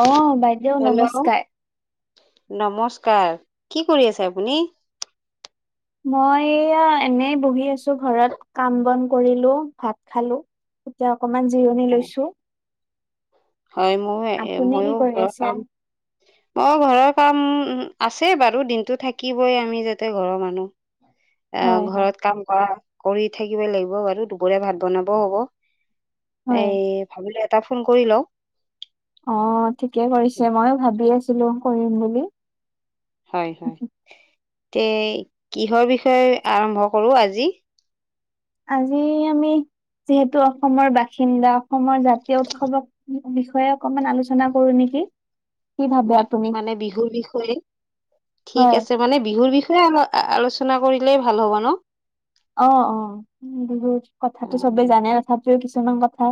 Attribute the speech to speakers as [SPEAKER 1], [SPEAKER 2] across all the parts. [SPEAKER 1] অ বাইদেউ
[SPEAKER 2] হেল্ল!
[SPEAKER 1] নমস্কাৰ
[SPEAKER 2] নমস্কাৰ! কি কৰি আছে আপুনি?
[SPEAKER 1] মই এয়া এনেই বহি আছো ঘৰত। কাম-বন কৰিলো ভাত খালো। এতিয়া অকমান জিৰণি লৈছো।
[SPEAKER 2] হয়, ময়
[SPEAKER 1] আপুনি কি
[SPEAKER 2] মইও
[SPEAKER 1] কৰি
[SPEAKER 2] ঘৰৰ
[SPEAKER 1] আছে
[SPEAKER 2] কাম অ ঘৰৰ কাম আছে বাৰু দিনটো থাকিবই আমি যাতে ঘৰৰ মানুহ
[SPEAKER 1] হয়
[SPEAKER 2] আহ
[SPEAKER 1] হয়
[SPEAKER 2] ঘৰত কাম কৰা, কৰি থাকিব লাগিব বাৰু। দুপৰীয়া ভাত বনাবও হ'ব।
[SPEAKER 1] হয়
[SPEAKER 2] এই ভাবিলোঁ এটা ফোন কৰি লও।
[SPEAKER 1] অ ঠিকে কৰিছে, মই ভাবি আছিলো কৰিম বুলি।
[SPEAKER 2] হয় হয়, তে কিহৰ বিষয়ে আৰম্ভ কৰো আজি?
[SPEAKER 1] আজি আমি যিহেতু অসমৰ বাসিন্দা, অসমৰ জাতীয় উৎসৱক বিষয়ে অকমান আলোচনা কৰো নেকি? কি ভাবে আপুনি
[SPEAKER 2] মা-মানে বিহুৰ বিষয়ে?
[SPEAKER 1] হয়
[SPEAKER 2] ঠিক আছে মানে বিহুৰ বিষয়ে আলোচনা কৰিলেই ভাল হ'ব ন?
[SPEAKER 1] অ অ উ বহুত কথাাতো চবেই
[SPEAKER 2] ন
[SPEAKER 1] জানে তথাপিও কিছুমান কথা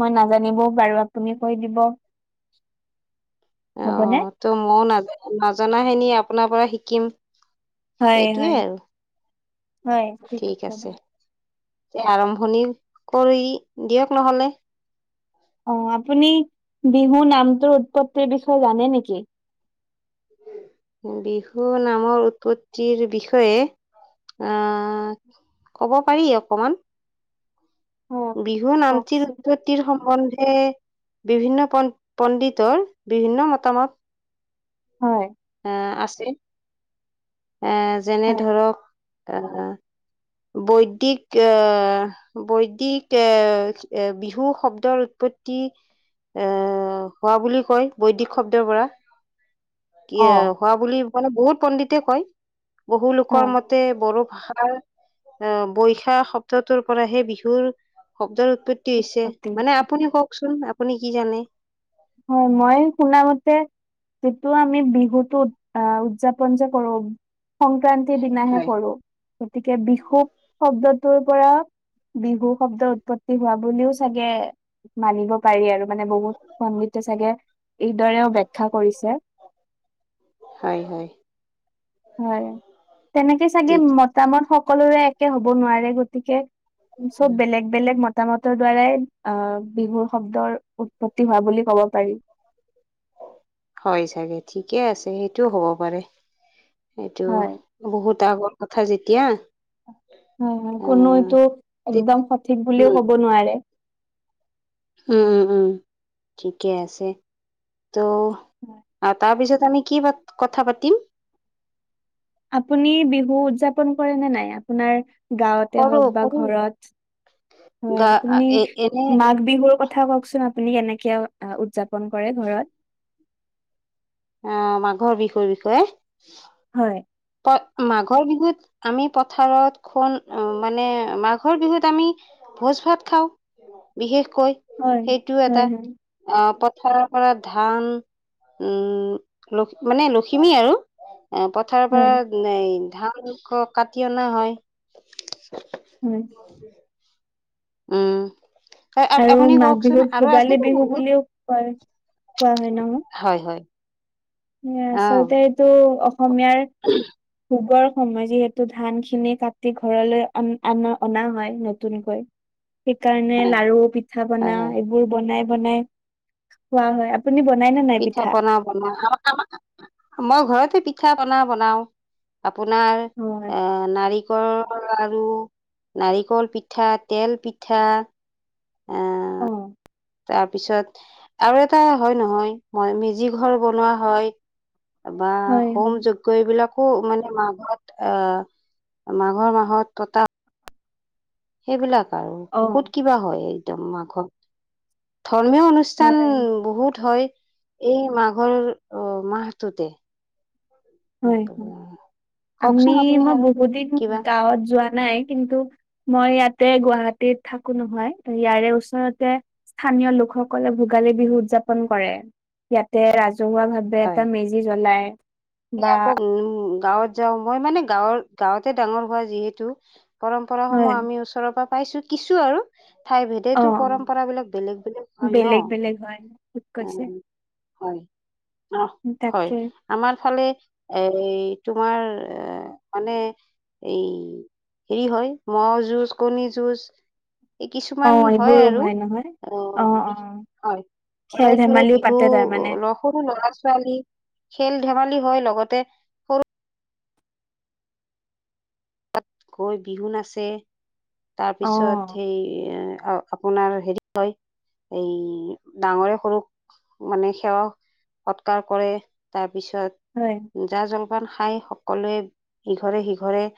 [SPEAKER 1] মই নাজানিবও পাৰো। আপুনি কৈ দিব।
[SPEAKER 2] [inaudible] অ
[SPEAKER 1] হ'বনে?
[SPEAKER 2] ত মইও নাজ-নজনাখিনি আপোনাৰ পৰা শিকিম।
[SPEAKER 1] হয় হয়।
[SPEAKER 2] সেইটোৱে আৰু ঠিক আছে। তে আৰম্ভণি কৰি দিয়ক নহ'লে।
[SPEAKER 1] অ আপুনি বিহু নামটোৰ উৎপত্তিৰ বিষয়ে জানে নেকি?
[SPEAKER 2] [inaudible] বিহু নামৰ উৎপত্তিৰ বিষয়ে অ কব পাৰি অকমান।
[SPEAKER 1] হয়
[SPEAKER 2] বিহু নামতি উৎপত্তি
[SPEAKER 1] কওকচোন।
[SPEAKER 2] উৎপত্তিৰ সম্বন্ধে বিভিন্ন পন-পণ্ডিতৰ বিভিন্ন মতামত
[SPEAKER 1] হয়।
[SPEAKER 2] এ আছে। এ যেনে
[SPEAKER 1] হয়
[SPEAKER 2] ধৰক আহ বৈদিক আহ বৈদিক এ এ বিহু শব্দৰ উৎপত্তি এ হোৱা বুলি কয়, বৈদিক শব্দৰ পৰা। কি
[SPEAKER 1] অ।
[SPEAKER 2] এ হোৱা বুলি মানে বহুত পণ্ডিতে কয়। বহু লোকৰ
[SPEAKER 1] হয়
[SPEAKER 2] মতে বড়ো ভাষাৰ আহ বৈশা শব্দটোৰ পৰাহে বিহুৰ শব্দৰ উৎপত্তি তি হৈছে।
[SPEAKER 1] উৎপত্তি।
[SPEAKER 2] মানে আপুনি কওকচোন আপুনি কি জানে।
[SPEAKER 1] হয় মই শুনামতে যিটো আমি বিহুতোত আহ উদযাপন যে কৰো সংক্ৰান্তিৰ দিনাহে
[SPEAKER 2] হয়
[SPEAKER 1] কৰো। গতিকে বিশুক শব্দটোৰ পৰা বিহু শব্দ উৎপত্তি হোৱা বুলিও চাগে মানিব পাৰি। আৰু মানে বহুত সমৃদ্ধ চাগে এইদৰেও বেখ্যা কৰিছে
[SPEAKER 2] হয় হয়।
[SPEAKER 1] হয় তেনেকে চাগে
[SPEAKER 2] ঠিক
[SPEAKER 1] মতামত সকলোৰে একে হব নোৱাৰে গতিকে। উ চব বেলেগ। বেলেগ মতামতৰ দূৱাৰাই আ বিহুৰ উৎপত্তি হোৱা বুলি কব পাৰি।
[SPEAKER 2] হয় চাগে ঠিকে আছে সেইটোও হ'ব পাৰে। সেইটো
[SPEAKER 1] হয়
[SPEAKER 2] বহুত আগৰ কথা যেতিয়া।
[SPEAKER 1] হয় হয় কোনো
[SPEAKER 2] উম
[SPEAKER 1] এইটো একদম সঠিক বুলিও
[SPEAKER 2] উম
[SPEAKER 1] কব নোৱাৰে।
[SPEAKER 2] উম উম ঠিকে আছে। ত'
[SPEAKER 1] হয়।
[SPEAKER 2] আ তাৰপিছত আমি কি পাত কথা পাতিম।
[SPEAKER 1] আপুনি বিহু উদযাপন কৰে নে নাই আপোনাৰ। গাঁৱতে
[SPEAKER 2] কৰো
[SPEAKER 1] হওক বা
[SPEAKER 2] কৰো
[SPEAKER 1] ঘৰত
[SPEAKER 2] গা
[SPEAKER 1] হয় আপুনি
[SPEAKER 2] এ এনে
[SPEAKER 1] মাক বিহুৰ কত থা কওকচোন আপুনি কেনেকে অ আ উদযাপন কৰে ঘৰত।
[SPEAKER 2] আ মাঘৰ বিহুৰ বিষয়ে।
[SPEAKER 1] হয়।
[SPEAKER 2] তই মাঘৰ বিহুত। আমি পথাৰত খুন মানে মাঘৰ বিহুত আমি ভোজ ভাত খাওঁ। বিশেষকৈ
[SPEAKER 1] হয়
[SPEAKER 2] সেইটো
[SPEAKER 1] হয়
[SPEAKER 2] এটা
[SPEAKER 1] হয়
[SPEAKER 2] আহ পথাৰৰ পৰা ধান। উ লখ মানে লখিমী আৰু এ পথাৰ। পৰা
[SPEAKER 1] হয়
[SPEAKER 2] নেই ধান ক কাটি অনা হয়।
[SPEAKER 1] হয়
[SPEAKER 2] উম। হয় এ এ
[SPEAKER 1] আৰু
[SPEAKER 2] আপুনি
[SPEAKER 1] মাঘ
[SPEAKER 2] কওকচোন
[SPEAKER 1] বিহুক
[SPEAKER 2] আৰু
[SPEAKER 1] ভোগালী
[SPEAKER 2] আছেটো
[SPEAKER 1] বিহু
[SPEAKER 2] বহুত
[SPEAKER 1] বুলিও কয় কোৱা
[SPEAKER 2] হয় হয়।
[SPEAKER 1] সেইয়া আচলতে এইটো অসমীয়াৰ।
[SPEAKER 2] উ। [inaudible]
[SPEAKER 1] হুবৰ সময় যিহেতু ধান খিনি কাটি ঘৰলৈ অন আনা অনা হয় নতুনকৈ। সেইকাৰণে
[SPEAKER 2] হয়
[SPEAKER 1] লাৰু পিঠা
[SPEAKER 2] হয়
[SPEAKER 1] পনা
[SPEAKER 2] হয়
[SPEAKER 1] এইবোৰ বনাই বনাই। খোৱা হয় আপুনি বনাই নে নাই পিঠা।
[SPEAKER 2] ব [inaudible] অ বনোৱা হয়। [inaudible] মই ঘৰতে পিঠা পনা বনাও আপোনাৰ
[SPEAKER 1] হয়।
[SPEAKER 2] এ নাৰি। কলৰ লাৰু নাৰিকল পিঠা তেল পিঠা। এ
[SPEAKER 1] অ,
[SPEAKER 2] তাৰপিছত আৰু এটা হয় নহয় মই মেজি ঘৰ বনোৱা হয়। টাবা
[SPEAKER 1] হয়
[SPEAKER 2] হৌম
[SPEAKER 1] হয়।
[SPEAKER 2] যোগ। কৈ বিলাকো মানে মাঘত অহ মাঘৰ মাহত ততা। সেইবিলাক আৰু বহুত
[SPEAKER 1] অ'।
[SPEAKER 2] কিবা হয় একদম মাঘৰ ধৰ্মীয় অনুচ। ষ্ঠান
[SPEAKER 1] হয়
[SPEAKER 2] বহুত হয় এই মাঘৰ অ মাহটোতে।
[SPEAKER 1] হয় হয়
[SPEAKER 2] কওকচোন
[SPEAKER 1] আমি
[SPEAKER 2] আপুনি
[SPEAKER 1] মই
[SPEAKER 2] আৰু
[SPEAKER 1] বহুত দিন
[SPEAKER 2] কিবা
[SPEAKER 1] গাঁৱত যোৱা। নাই কিন্তু মই ইয়াতে গুৱাহাটীত থাকো নহয় ইয়াৰে ওচৰতে। স্থানীয় লোকসকলে ভোগালী বিহু উদযাপন কৰে ইয়াতে ৰাজহুৱা ভাৱ। বে এটা
[SPEAKER 2] হয়
[SPEAKER 1] মেজি জ্বলায়।
[SPEAKER 2] আমি আকৌ উ গাঁৱত যাওঁ মই মানে গাঁৱৰ গাঁৱতে ডাঙৰ হোৱা যিহেতু। পৰম্পৰা
[SPEAKER 1] হয়
[SPEAKER 2] সমূহ আমি ওচৰৰ পৰা পাইছো কিছু আৰু। ঠাই
[SPEAKER 1] অ অ
[SPEAKER 2] ভেদেতো পৰম্পৰা বিলাক বেলেগ বেলেগ হয় নহ
[SPEAKER 1] বেলেগ বেলেগ হয় ঠিক
[SPEAKER 2] উ।
[SPEAKER 1] কৈছে
[SPEAKER 2] হয় নঃ হয়
[SPEAKER 1] তাকে
[SPEAKER 2] আমাৰ ফালে এই তোমাৰ এ মানে এই হেৰি হয় ম'হ যুঁজ কণী যুঁজ এই কিছুমান হয় আৰু অ' হয়। ঘৰে
[SPEAKER 1] খেল
[SPEAKER 2] ঘৰে
[SPEAKER 1] ধেমালিও
[SPEAKER 2] বিহু,
[SPEAKER 1] পাতে তাৰমানে
[SPEAKER 2] সৰু ল'ৰা ছোৱালী খেল ধেমালি হয় লগতে তাত গৈ বিহু নাচে
[SPEAKER 1] অ
[SPEAKER 2] তাৰপিছত সেই অ' আপোনাৰ হেৰি হয়, এই ডাঙৰে সৰুক মানে সেৱা সৎকাৰ কৰে তাৰপিছত
[SPEAKER 1] হয়।
[SPEAKER 2] জা-জলপান খাই সকলোৱে ইঘৰে সিঘৰে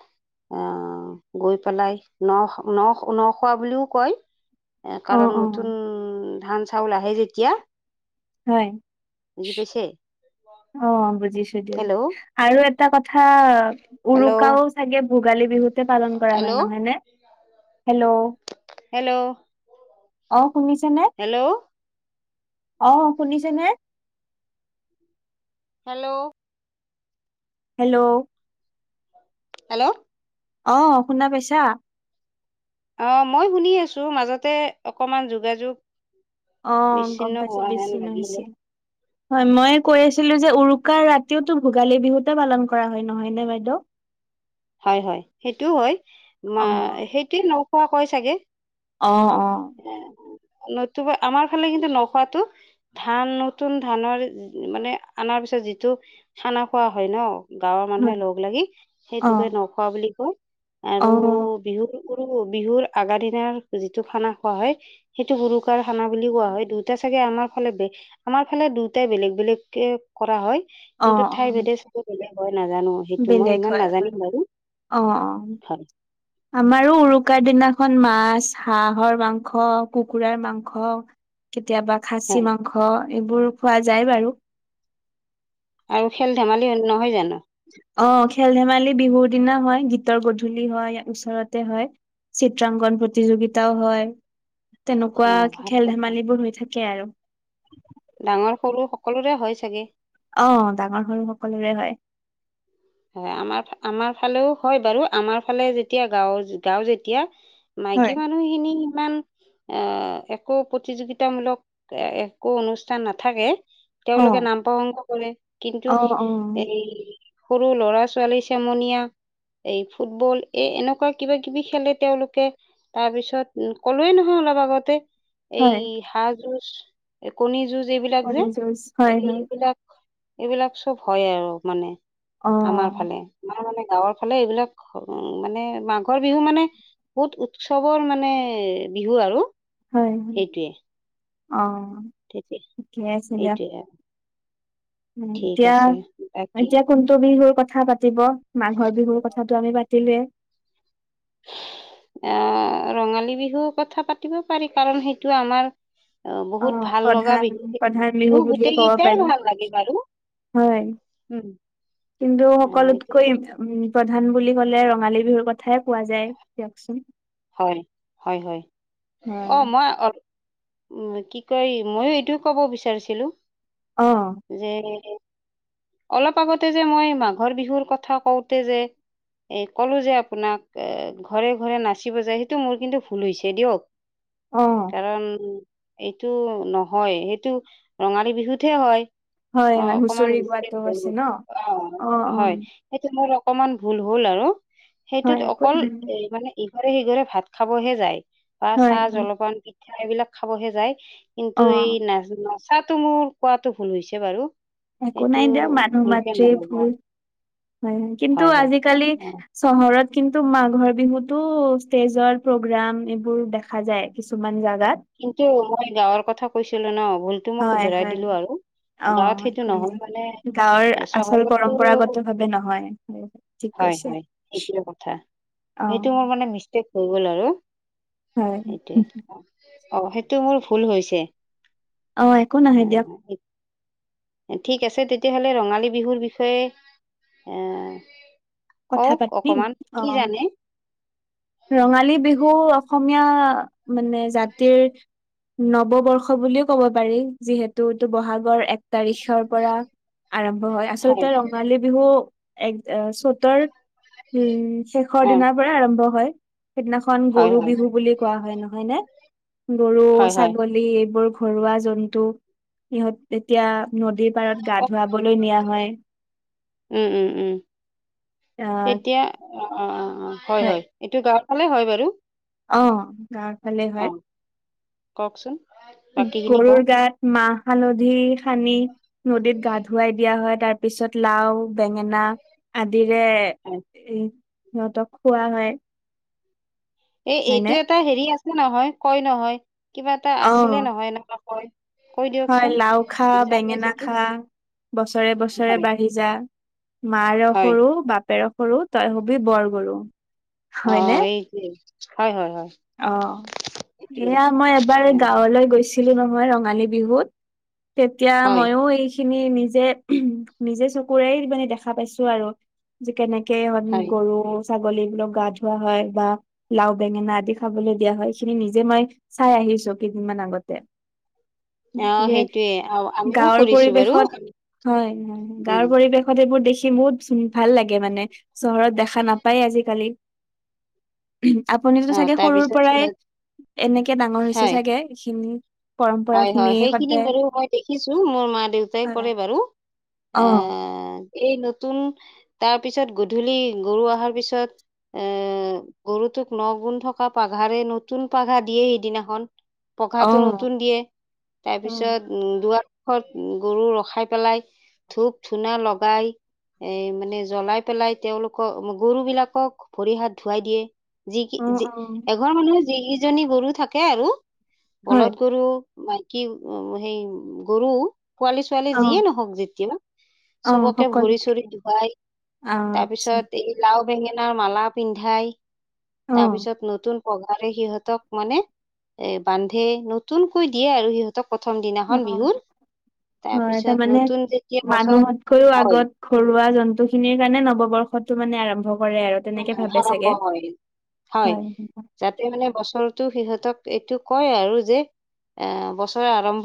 [SPEAKER 2] আহ গৈ পেলাই, নখ নখ নখোৱা বুলিও কয়।
[SPEAKER 1] অ
[SPEAKER 2] কাৰণ
[SPEAKER 1] অ
[SPEAKER 2] নতুন ধান চাউল আহে যেতিয়া
[SPEAKER 1] হয়।
[SPEAKER 2] বুজি পাইছে।
[SPEAKER 1] অ' বুজিছো
[SPEAKER 2] হেল্ল'
[SPEAKER 1] দিয়ক আৰু এটা কথা
[SPEAKER 2] হেল্ল'
[SPEAKER 1] উৰুকাও চাগে ভোগালী বিহুতে পালন কৰা হয়,
[SPEAKER 2] হেল্ল'
[SPEAKER 1] নহয় নে? হেল্ল'
[SPEAKER 2] হেল্ল'
[SPEAKER 1] অ', শুনিছে নে?
[SPEAKER 2] হেল্ল'
[SPEAKER 1] অ', শুনিছেনে?
[SPEAKER 2] হেল্ল'
[SPEAKER 1] হেল্ল'
[SPEAKER 2] হেল্ল'
[SPEAKER 1] অ', শুনা পাইছা?
[SPEAKER 2] অ' মই শুনি আছো, মাজতে অকমান যোগাযোগ
[SPEAKER 1] অ গম
[SPEAKER 2] বিচ্ছিন্ন
[SPEAKER 1] পাইছো
[SPEAKER 2] হোৱা হেন
[SPEAKER 1] বেছি
[SPEAKER 2] লাগিলে।
[SPEAKER 1] নহৈছিল হয় ময়ে কৈ আছিলো যে, উৰুকাৰ ৰাতিওটো ভোগালী বিহুতে পালন কৰা হয় নহয়নে বাইদেউ?
[SPEAKER 2] হয় হয় সেইটোও হয়, মা
[SPEAKER 1] অ
[SPEAKER 2] সেইটোৱে নখোৱা কয় চাগে?
[SPEAKER 1] অ'অ'
[SPEAKER 2] [inaudible] নতুবা, আমাৰ ফালে কিন্তু নোখোৱাটো ধান নতুন ধানৰ যি মানে অনাৰ পিছত যিটো খানা খোৱা হয় নহ? গাঁৱৰ মানুহে
[SPEAKER 1] হয়
[SPEAKER 2] লগ লাগি
[SPEAKER 1] অ
[SPEAKER 2] সেইটোকে নখোৱা বুলি কওঁ,
[SPEAKER 1] অ
[SPEAKER 2] আৰু বিহুৰ গৰু, বিহুৰ আগা দিনা যিটো খানা খোৱা হয় সেইটো উৰুকাৰ খানা বুলি কোৱা হয়, দুয়োটা চাগে আমাৰ ফালে বে আমাৰ ফালে দুটাই বেলেগ বেলেগকে কৰা হয়,
[SPEAKER 1] অ অ
[SPEAKER 2] কিন্তু ঠাই ভেদে [unintelligible] বেলেগ হয় নাজানো, সেইটো মই
[SPEAKER 1] বেলেগ
[SPEAKER 2] ইমান
[SPEAKER 1] হয়
[SPEAKER 2] নাজানিম।
[SPEAKER 1] হয়
[SPEAKER 2] বাৰু
[SPEAKER 1] অ',
[SPEAKER 2] [inaudible]
[SPEAKER 1] আমাৰো উৰুকাৰ দিনাখন মাছ, হাঁহৰ মাংস, কুকুৰাৰ মাংস কেতিয়াবা
[SPEAKER 2] হয়
[SPEAKER 1] খাচী মাংস এইবোৰ খোৱা যায় বাৰু।
[SPEAKER 2] আৰু খেল ধেমালি হ নহয় জানো?
[SPEAKER 1] অ', খেল ধেমালি বিহুৰ দিনা হয় গীতৰ গধূলি হয় ওচৰতে হয়। চিত্ৰাংকন প্ৰতিযোগিতাও হয়,
[SPEAKER 2] অ
[SPEAKER 1] তেনেকুৱা
[SPEAKER 2] ভাল কথা
[SPEAKER 1] খেল-ধেমালিবোৰ হৈ থাকে আৰু।
[SPEAKER 2] ডাঙৰ, সৰু সকলোৰে হয় চাগে?
[SPEAKER 1] অঁ', ডাঙৰ-সৰু সকলোৰে হয়।
[SPEAKER 2] হয়। আমাৰ, আমাৰ ফালেও হয় বাৰু আমাৰ ফালে যেতিয়া গাঁও-গাওঁ যেতিয়া-
[SPEAKER 1] হয়।
[SPEAKER 2] মাইকী মানুহখিনি সিমান- আঁহ', একো প্ৰতিযোগিতামূলক একো অনুষ্ঠান নাথাকে। তেওঁলোকে
[SPEAKER 1] অ',
[SPEAKER 2] নাম প্ৰসংগ কৰে, কিন্তু
[SPEAKER 1] অ', অ',
[SPEAKER 2] এই- সৰু ল'ৰা-ছোৱালী চেমনীয়া- এই ফুটবল এ' এনেকুৱা কিবা-কিবি খেলে তেওঁলোকে। তাৰপিছত কলোৱেই নহয় অলপ আগতে- এই
[SPEAKER 1] হয়,
[SPEAKER 2] হাঁহ যুঁছ, এ' কণী যুঁজ এইবিলাক
[SPEAKER 1] কণী
[SPEAKER 2] যে
[SPEAKER 1] যুঁজ হয়, হয়,
[SPEAKER 2] এইবিলাক- এইবিলাক চব হয়ে আৰু মানে। আমাৰ
[SPEAKER 1] অ',
[SPEAKER 2] ফালে, আমাৰ মানে গাঁৱৰ ফালে এইবিলাক হুম' মানে মাঘৰ বিহু মানে- বহুত উৎচৱৰ মানে বিহু আৰু।
[SPEAKER 1] হয়, হুম-অঁ',।
[SPEAKER 2] ঠেপি এইটোৱে আও।
[SPEAKER 1] এ' এতিয়া
[SPEAKER 2] বাকী
[SPEAKER 1] এতিয়া কোনটো বিহুৰ কথা পা- তিব? মাঘৰ বিহুৰ কথাটো আমি পাতিলোয়ে।
[SPEAKER 2] [inaudible] আঁহ', ৰঙালী বিহু কথা পাতিব পাৰি কাৰণ সেইটো আমাৰ- অঁ', বহুত
[SPEAKER 1] অ',
[SPEAKER 2] ভাল লগা
[SPEAKER 1] প্ৰধান,
[SPEAKER 2] বিহু সেইটো,
[SPEAKER 1] প্ৰধান
[SPEAKER 2] বিহু
[SPEAKER 1] বুলিয়ে
[SPEAKER 2] গোটেই
[SPEAKER 1] ক'ব
[SPEAKER 2] কেইটাই
[SPEAKER 1] পাৰি।
[SPEAKER 2] ভাল লাগে বাৰু।
[SPEAKER 1] হয়, কিন্তু
[SPEAKER 2] অ এইটো
[SPEAKER 1] সকলোতকৈ - উম' প্ৰধান বুলি ক'লে ৰঙালী বিহুৰ কথাই কোৱা যায় দিয়কচোন।
[SPEAKER 2] হয়, হয়-হয়।
[SPEAKER 1] হয়,
[SPEAKER 2] অ', মই অল উম' কি কয় মইও এইটোই ক'ব বিচাৰিছিলো।
[SPEAKER 1] অঁ'।
[SPEAKER 2] যে এ- অলপ আগতে যে মই মাঘৰ বিহুৰ কথা কওঁতে যে এই ক'লো যে আপোনাক এ' ঘৰে-ঘৰে নাচিব যায় সেইটো মোৰ কিন্তু ভুল হৈছে দিয়ক।
[SPEAKER 1] অ',
[SPEAKER 2] কাৰণ- এইটো নহয়, সেইটো ৰঙালী বিহুত'হে হয়।
[SPEAKER 1] হয়,
[SPEAKER 2] অ',
[SPEAKER 1] হয়,
[SPEAKER 2] অকণমান
[SPEAKER 1] হুঁচৰি
[SPEAKER 2] মিছতে-
[SPEAKER 1] গোৱাটো আছে
[SPEAKER 2] [unintelligible]
[SPEAKER 1] ন?
[SPEAKER 2] অঁ',
[SPEAKER 1] অ',
[SPEAKER 2] হয়,
[SPEAKER 1] অ',
[SPEAKER 2] সেইটো মোৰ অকণমান ভুল হ'ল আৰু।
[SPEAKER 1] হয়,
[SPEAKER 2] সেইটোৱেতো,
[SPEAKER 1] একো
[SPEAKER 2] অকল
[SPEAKER 1] নহয়।
[SPEAKER 2] এই মানে- ইঘৰে-সিঘৰে ভাত খাব'হে যায়, বা
[SPEAKER 1] হয় হয়
[SPEAKER 2] চাহ-জলপান, পিঠা এইবিলাক খাব'হে যায়।
[SPEAKER 1] অ
[SPEAKER 2] কিন্তু এই নাচ-নাচাটো মোৰ কোৱাটো ভুল হৈছে বাৰু।
[SPEAKER 1] একো
[SPEAKER 2] সেইটো
[SPEAKER 1] নাই দিয়ক মানুহ
[SPEAKER 2] ভুলকে
[SPEAKER 1] মাত্ৰেই
[SPEAKER 2] নলব
[SPEAKER 1] ভুল হয়। কিন্তু
[SPEAKER 2] হয় হয়
[SPEAKER 1] আজিকালি-
[SPEAKER 2] অ
[SPEAKER 1] চহৰত কিন্তু মাঘৰ বিহুতো ষ্টেজৰ প্ৰগ্ৰাম এইবোৰ দেখা যায়। কিছুমান জাগাত।
[SPEAKER 2] কিন্তু মই গাঁৱৰ কথা কৈছিলো ন' ভুলতো মই শুধৰাই দিলো আৰু। গাঁৱত
[SPEAKER 1] অঁ',
[SPEAKER 2] সেইটো
[SPEAKER 1] একো
[SPEAKER 2] নহয়
[SPEAKER 1] নাই।
[SPEAKER 2] মানে
[SPEAKER 1] গাঁৱৰ
[SPEAKER 2] এ
[SPEAKER 1] আচল
[SPEAKER 2] চহৰতো
[SPEAKER 1] পৰম্পৰাগত ভাৱে নহয়। ঠিক কৈছে
[SPEAKER 2] হয়-হয়, সেইটোৱে কথা।
[SPEAKER 1] অ
[SPEAKER 2] সেইটো মোৰ মানে মিষ্টেক- হৈ গ'ল আৰু,
[SPEAKER 1] হয়
[SPEAKER 2] সেইটোৱে। অ' সেইটো মোৰ ভুল হৈছে।
[SPEAKER 1] অঁ', একো নহয় দিয়ক।
[SPEAKER 2] ঠিক আছে, তেতিয়াহ'লে ৰঙালী বিহুৰ বিষয়ে এ-
[SPEAKER 1] কথা
[SPEAKER 2] কওঁক
[SPEAKER 1] পাতিম
[SPEAKER 2] অকণমান
[SPEAKER 1] অ
[SPEAKER 2] কি জানে?
[SPEAKER 1] ৰঙালী বিহু অসমীয়া মানে জাতিৰ নৱবৰ্ষ বুলিও ক'ব পাৰি যিহেতু ইটো ব'হাগৰ এক তাৰিসৰ পৰা আৰম্ভ হয় আচলতে ৰঙালী বিহু এক চ'ত উম, শেষৰ
[SPEAKER 2] অ
[SPEAKER 1] দিনাৰ পৰা আৰম্ভ হয়। সেইদনাশন
[SPEAKER 2] হয়
[SPEAKER 1] গৰু
[SPEAKER 2] হয়
[SPEAKER 1] বিহু বুলি কোৱা হয় নহয় নে গৰু,
[SPEAKER 2] হয় হয়
[SPEAKER 1] ছাগল লী এইবোৰ ঘৰুৱা জন্তু সিহঁত তে তিয়া নদীৰ পাৰত গা
[SPEAKER 2] অ
[SPEAKER 1] ধুৱাবলৈ নিয়া হয়।
[SPEAKER 2] উম, উম, উম
[SPEAKER 1] আহ
[SPEAKER 2] তেতিয়া অ' অ' অ' অ' হয়, হয়। এইটো গাঁৱৰ ফালে হয় বাৰু।
[SPEAKER 1] অ' গাগ
[SPEAKER 2] অ' ক'কচোন?
[SPEAKER 1] উম, গৰুৰ গাত মাহ-হালধি সানি নদীত গা- ধুৱাই দিয়া হয় তাত পিছত লাও-বেঙেনা আদিৰে এই সিহঁতক খোৱা হয়
[SPEAKER 2] এই, এইটো
[SPEAKER 1] হয়নে
[SPEAKER 2] এটা হেৰি আছে নহয় কয় নহয় কিবা এটা
[SPEAKER 1] অ
[SPEAKER 2] আছিলে নহয় এনেকা কয় কৈ
[SPEAKER 1] হয়
[SPEAKER 2] দিয়কচোন
[SPEAKER 1] লাও খা,
[SPEAKER 2] জানে
[SPEAKER 1] বেঙেনা
[SPEAKER 2] যদি
[SPEAKER 1] খা বছৰে, বছৰে
[SPEAKER 2] হয়
[SPEAKER 1] বাঢ়ি যা মাৰ
[SPEAKER 2] হয়
[SPEAKER 1] সৰু, বাপেৰ সৰু তই হবি বৰ গৰু। হয়নে
[SPEAKER 2] অ' এইটোৱে হয়, হয়, হয়।
[SPEAKER 1] অ
[SPEAKER 2] এইটো
[SPEAKER 1] এয়া মই এবাৰ
[SPEAKER 2] অ,
[SPEAKER 1] গাঁৱলৈ গৈছি ছিলো নহয় ৰঙালী বিহুত তেতিয়া
[SPEAKER 2] হয়
[SPEAKER 1] ময়ো এই খিনি নিজে, নিজে চকুৰেই মানে দেখা পাইছো আৰু যে কেনেকে [unintelligible]
[SPEAKER 2] হয়
[SPEAKER 1] গৰু, ছাগলী বোলক গা ধোৱা হয় বা লাও-বেঙেনা আদি খাবলৈ দিয়া হয় এইখিনি নিজে মই চাই আহিছো কেইদিনমান আগতে।
[SPEAKER 2] অ
[SPEAKER 1] [unintelligible]
[SPEAKER 2] সেইটোয়ে আৰু আমিও
[SPEAKER 1] গাঁৱৰ
[SPEAKER 2] কৰিছো বাৰু
[SPEAKER 1] পৰিৱেশত হয়, হয়
[SPEAKER 2] উম
[SPEAKER 1] গাঁৱৰ পৰিৱেশ হয় তে এইবোৰ দেখি বহুত ভাল লাগে মানে চহৰত দেখা নাপায় আজিকালি আপুনিতোটো
[SPEAKER 2] অ
[SPEAKER 1] চাগে সৰুৰ
[SPEAKER 2] তাৰপিছত
[SPEAKER 1] পৰাই
[SPEAKER 2] সিহঁত
[SPEAKER 1] এনেকে ডাঙৰ হৈছে
[SPEAKER 2] হয়
[SPEAKER 1] চাগে এইখিনি পৰম্পৰা
[SPEAKER 2] হয়
[SPEAKER 1] খিনি
[SPEAKER 2] সেইখিনি
[SPEAKER 1] সদায়
[SPEAKER 2] বাৰু মই দেখিছো মোৰ মা- দেউতাই
[SPEAKER 1] হয়
[SPEAKER 2] কৰে বাৰু
[SPEAKER 1] অ
[SPEAKER 2] আ এই নতুন তাৰ পিছত গধূলি গৰু অহাৰ পিছত এ গৰুটোক নগুণ থকা পাঘাৰে নতুন পাঘা দিয়ে সেইদিনাখন।
[SPEAKER 1] অ
[SPEAKER 2] পঘাটো নতুন দিয়ে
[SPEAKER 1] অ
[SPEAKER 2] তাৰপিছত উম, দুৱাৰ মুখত গৰু ৰখাই পেলাই ধূপ-ধূনা লগাই এ মানে জ্বলাই পেলাই তেওঁলোকক গৰু বিলাকক ভৰি হাত ধুৱাই দিয়ে। যি কি
[SPEAKER 1] অ
[SPEAKER 2] যি
[SPEAKER 1] অ
[SPEAKER 2] এঘৰ মানুহৰ যিকেইজনী গৰু থাকে আৰু
[SPEAKER 1] হয়
[SPEAKER 2] বলদ গৰু মাইকী অ' সেই গৰু পোৱালী ছোৱালী
[SPEAKER 1] অ
[SPEAKER 2] যিয়ে নহওক যেতি ন,
[SPEAKER 1] অ
[SPEAKER 2] চবকে
[SPEAKER 1] সকলো
[SPEAKER 2] ভৰি চৰি ধুৱাই
[SPEAKER 1] আচ্ছা।
[SPEAKER 2] তাত [unintelligible] লাও-বেঙেনাৰ মালা পিন্ধাই
[SPEAKER 1] অ
[SPEAKER 2] তাৰ পিছত নতুন পঘাৰে সিহঁতক মানে এই বান্ধি ন নতনকৈ দিয়ে আৰু সিহঁত ত'প্ৰথম
[SPEAKER 1] অ
[SPEAKER 2] দিনাখন বিহুত
[SPEAKER 1] হয়
[SPEAKER 2] তাৰপিছত
[SPEAKER 1] তাৰমানে
[SPEAKER 2] নতুন যেতিয়া বছৰ
[SPEAKER 1] মানুহতকৈও
[SPEAKER 2] হয়
[SPEAKER 1] আগত ঘৰুৱা জন্তু খিনিৰ কাৰণে নৱবৰ্ষটো মানে আৰম্ভ কৰে আৰ
[SPEAKER 2] [unintelligible] আৰম্ভ হয়, হয়। যাতে মানে বছৰতো সিহঁতক এইটো কয় আৰু যে এ বছৰে আৰম্ভ